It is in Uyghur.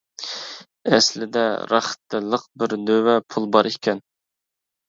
ئەسلىدە رەختتە لىق بىر دۆۋە پۇل بار ئىكەن.